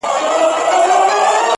د رمز خبره يې د سونډو په موسکا کي نسته_